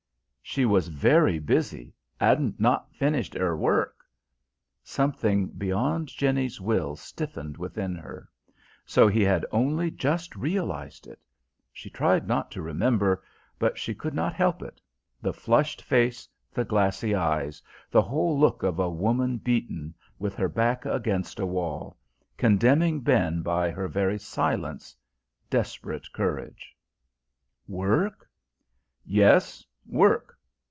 "She was very busy, 'adn't not finished 'er work." Something beyond Jenny's will stiffened within her. So he had only just realised it! She tried not to remember, but she could not help it the flushed face, the glassy eyes: the whole look of a woman beaten, with her back against a wall; condemning Ben by her very silence, desperate courage. "Work?" "Yes, work."